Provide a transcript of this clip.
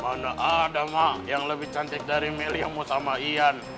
mana ada mah yang lebih cantik dari meli yang mau sama iyan